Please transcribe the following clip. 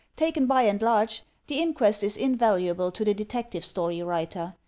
Taken by and large, the inquest is invaluable to the Detective Story writer.